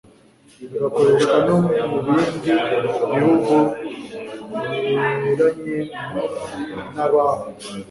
bigakoreshwa no mu bindi bihugu biberanye nabaho